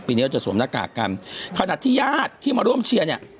นี้เราจะสวมหน้ากากกันขนาดที่ญาติที่มาร่วมเชียร์เนี่ย